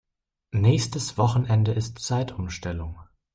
Nächstes Wochenende ist Zeitumstellung.